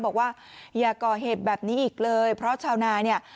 บอกว่าอย่าก่อเหตุแบบนี้อีกเลยเพราะชาวนาเนี่ย